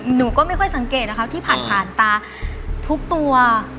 หนูก็ไม่ค่อยสังเกตนะคะที่ผ่านมาตาทุกตัว